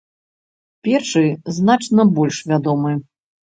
Першы значна больш вядомы.